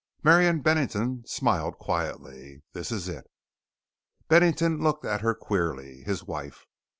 Marian Bennington smiled quietly. "This is it!" Bennington looked at her queerly. His wife.